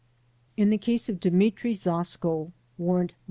In the case of Demetri Zosko (Warrant No.